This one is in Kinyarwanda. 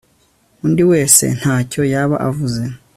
undi wese ntacyo yaba avuze